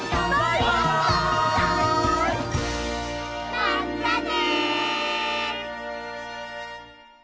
まったね！